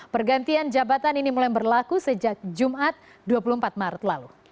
pergantian jabatan ini mulai berlaku sejak jumat dua puluh empat maret lalu